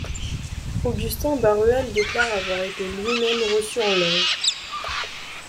Augustin Barruel déclare avoir été lui-même reçu en loge.